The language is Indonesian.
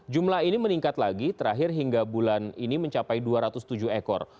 jumlah ini meningkat lagi terakhir hingga bulan ini mencapai dua ratus tujuh ekor